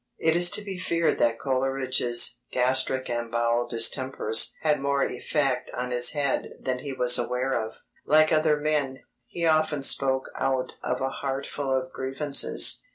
It is to be feared that Coleridge's "gastric and bowel distempers" had more effect on his head than he was aware of. Like other men, he often spoke out of a heart full of grievances.